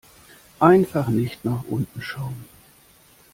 Einfach nicht nach unten schauen.